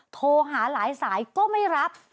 โทรหาหลายสายก็ไม่รับ